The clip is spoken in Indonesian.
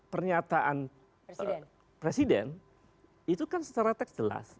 pernyataan presiden itu kan secara teks jelas